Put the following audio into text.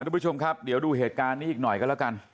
สุดชมครับเดี๋ยวดูเหตุงานนี้อีกหน่อยก็แล้วกัน